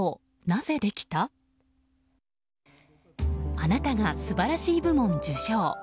あなたが素晴らしい部門受賞